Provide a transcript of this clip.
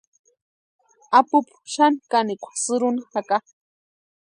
Apupu xani kanikwa sïrhuni jaka.